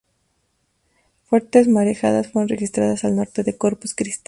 Fuertes marejadas fueron registradas al norte de Corpus Christi.